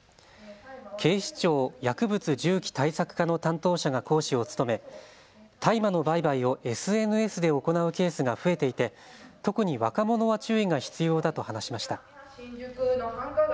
警視庁薬物銃器対策課の担当者が講師を務め、大麻の売買をＳＮＳで行うケースが増えていて特に若者は注意が必要だと話しました。